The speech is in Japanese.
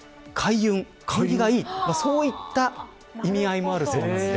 縁起がいいそういった意味合いもあるそうです。